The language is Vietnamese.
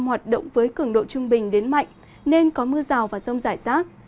hoạt động với cường độ trung bình đến mạnh nên có mưa rào và rông rải rác